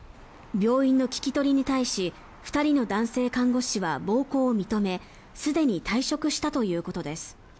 病院に聞き取りに対し２人の男性看護師は暴行を認めすでに退職したということです。